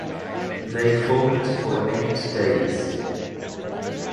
They fought for eight days.